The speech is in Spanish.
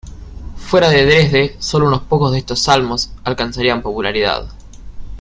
Fuera de Dresde solo unos pocos de estos salmos alcanzarían popularidad.